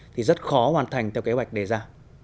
thì rất khó hoàn thành theo kế hoạch đề ra